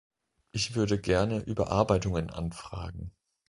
Ich würde gerne Überarbeitungen anfragen.